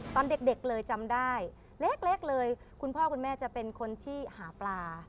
ตอนเด็กเลยจำได้เล็กเลยคุณพ่อคุณแม่จะเป็นคนที่หาปลา